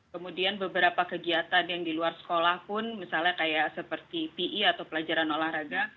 kemudian beberapa kegiatan yang di luar sekolah pun misalnya kayak seperti pe atau pelajaran olahraga